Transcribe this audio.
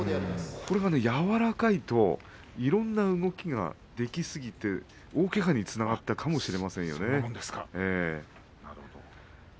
これが柔らかいといろんな動きができすぎて大けがにつながったかもしれませんよね。